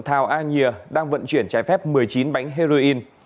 thảo a nhìa đang vận chuyển trái phép một mươi chín bánh heroin